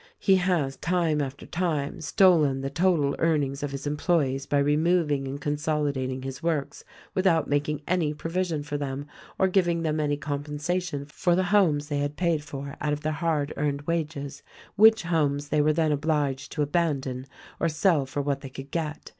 He has time after time stolen the total earnings of his employes by removing and consolidating his works without making any provision for them or giving them any compensation for the homes they had paid for out of their hard earned wages, which homes they were then obliged to abandon or sell for what they could get.